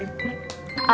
ya pak ustad